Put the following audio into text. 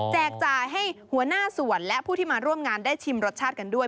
จ่ายให้หัวหน้าส่วนและผู้ที่มาร่วมงานได้ชิมรสชาติกันด้วย